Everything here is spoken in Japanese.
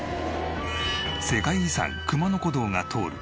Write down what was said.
世界遺産熊野古道が通る